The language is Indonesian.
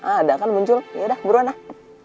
ada kan muncul yaudah buruan lah